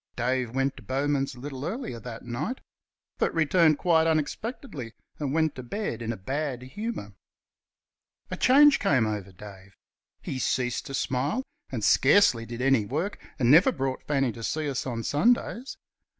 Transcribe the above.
Dave went to Bowman's a little earlier that night but returned quite unexpectedly and went to bed in a bad humour. A change came over Dave. He ceased to smile, and scarcely did any work, and never brought Fanny to see us on Sundays.